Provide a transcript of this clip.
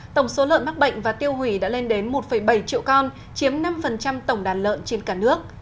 tổng số lợn mắc bệnh và tiêu hủy đã lên đến một bảy triệu con chiếm năm tổng đàn lợn trên cả nước